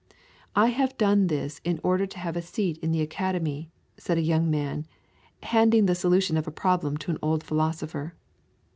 'I have done this in order to have a seat in the Academy,' said a young man, handing the solution of a problem to an old philosopher.